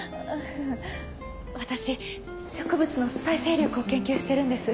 私植物の再生力を研究してるんです。